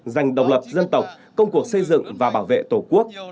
dành độc lập dân tộc công cuộc xây dựng và bảo vệ tổ quốc